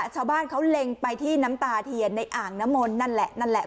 ชาวบ้านเขาเล็งไปที่น้ำตาเทียนในอ่างน้ำมนต์นั่นแหละนั่นแหละ